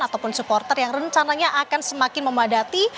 ataupun supporter yang rencananya akan semakin memadati